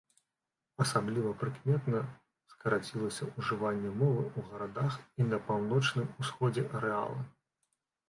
Асабліва прыкметна скарацілася ўжыванне мовы ў гарадах і на паўночным усходзе арэала.